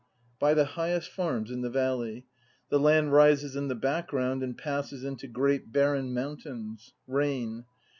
By the highest farms in the valley. The land rises in the background and passes into great barren mount ains. Rain.